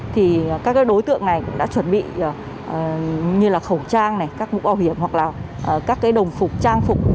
thì các đối tượng này cũng đã chuẩn bị như là khẩu trang các mũ bảo hiểm hoặc là các đồng phục trang phục